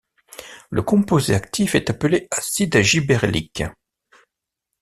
Le composé actif est appelé acide gibbérellique.